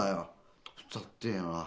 うざってえな！